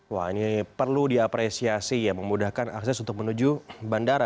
wah ini perlu diapresiasi ya memudahkan akses untuk menuju bandara